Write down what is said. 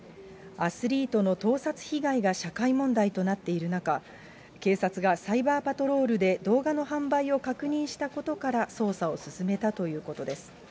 アスリートの盗撮被害が社会問題となっている中、警察がサイバーパトロールで動画の販売を確認したことから捜査を進めたということです。